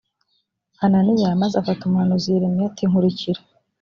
hananiya maze afata umuhanuzi yeremiya ati nkurikira